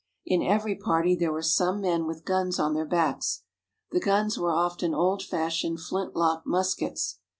In every party there were some men with guns on their backs. The guns were often old fashioned flintlock muskets.